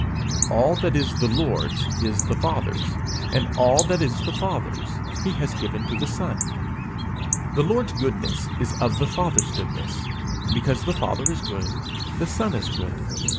All that is the Lord's is the Father's, and all that is the Father's he has given to the Son. The Lord's goodness is of the Father's goodness; because the Father is good the Son is good.